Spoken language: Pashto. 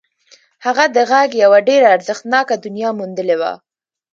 هغه د غږ یوه ډېره ارزښتناکه دنیا موندلې وه